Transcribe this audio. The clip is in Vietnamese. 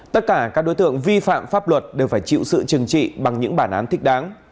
tất cả các đối tượng vi phạm pháp luật đều phải chịu sự trừng trị bằng những bản án thích đáng